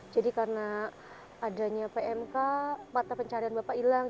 jadi karena adanya pmk mata pencarian bapak hilang